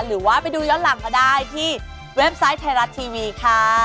หรือว่าไปดูย้อนหลังก็ได้ที่เว็บไซต์ไทยรัฐทีวีค่ะ